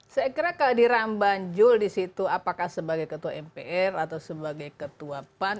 saya kira kalau di rambanjul disitu apakah sebagai ketua mpr atau sebagai ketua pan